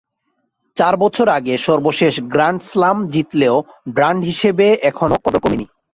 চার বছর আগে সর্বশেষ গ্র্যান্ড স্লাম জিতলেও ব্র্যান্ড হিসেবে এখনো কদর কমেনি।